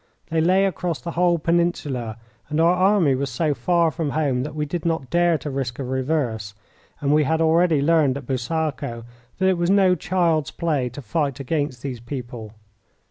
They lay across the whole Peninsula, and our army was so far from home that we did not dare to risk a reverse, and we had already learned at Busaco that it was no child's play to fight against these people.